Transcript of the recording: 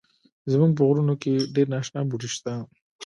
زمونږ په غرونو کښی ډیر ناشنا بوټی شته